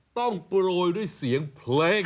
โปรยด้วยเสียงเพลง